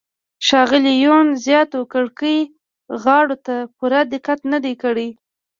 ښاغلي یون زیاتو کاکړۍ غاړو ته پوره دقت نه دی کړی.